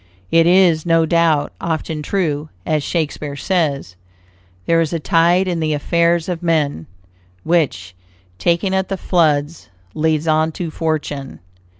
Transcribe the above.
It is, no doubt, often true, as Shakespeare says: "There is a tide in the affairs of men, Which, taken at the flood, leads on to fortune."